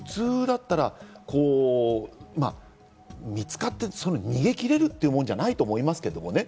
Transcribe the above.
普通だったら見つかって逃げ切れるもんじゃないと思いますけどね。